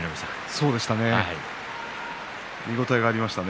そうでしたね。